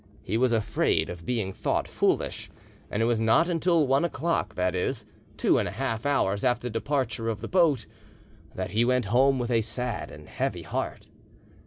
He was afraid of being thought foolish, and it was not until one o'clock that is, two and a half hours after the departure of the boat that he went home with a sad and heavy heart.